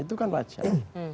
itu kan wajar